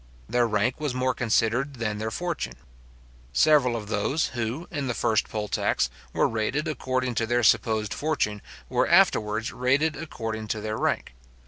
Their rank was more considered than their fortune. Several of those who, in the first poll tax, were rated according to their supposed fortune were afterwards rated according to their rank.